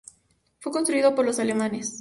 Fue construido por los alemanes.